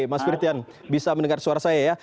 mas firtian bisa mendengar suara saya ya